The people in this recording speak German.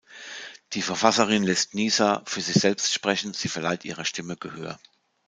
Die Verfasserin lässt Nisa "für sich selbst sprechen", sie verleiht ihrer Stimme Gehör.